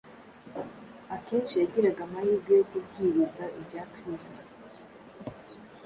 akenshi yagiraga amahirwe yo kubwiriza ibya Kristo